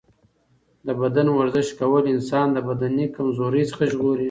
د بدن ورزش کول انسان له بدني کمزورۍ څخه ژغوري.